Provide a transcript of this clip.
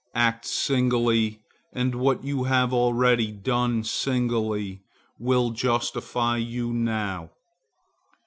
Act singly, and what you have already done singly will justify you now.